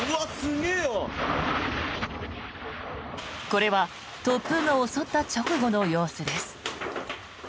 これは突風が襲った直後の様子です。